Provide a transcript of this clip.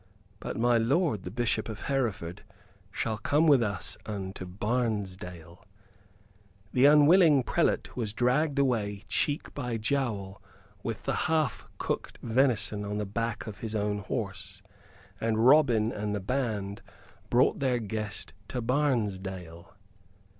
But my lord the Bishop of Hereford shall come with us unto Barnesdale!" The unwilling prelate was dragged away cheek by jowl with the half cooked venison on the back of his own horse, and Robin and the band brought their guest to Barnesdale.